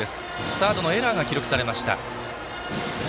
サードのエラーが記録されました。